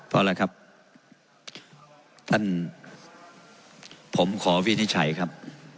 พอแล้วครับท่านผมขอวินิจฉัยครับ